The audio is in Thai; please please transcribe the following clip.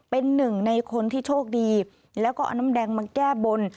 เป็นหนึ่งในคนที่โชคดีแล้วก็เอาน้ำแดงมาแก้บน